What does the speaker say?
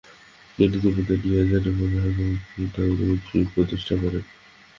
তিনি তিব্বতে নিয়ে যান ও কাগ্যু গোষ্ঠীর প্রতিষ্ঠা করেন।